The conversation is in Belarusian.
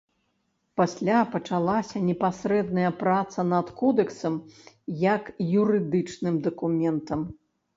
Пасля пачалася непасрэдная праца над кодэксам як юрыдычным дакументам.